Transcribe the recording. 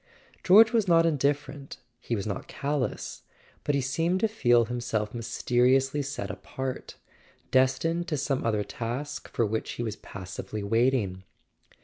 George was not indifferent, he was not cal¬ lous; but he seemed to feel himself mysteriously set apart, destined to some other task for which he was passively waiting.